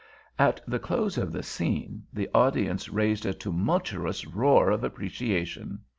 At the close of the scene the audience raised a tumultuous roar of appreciation.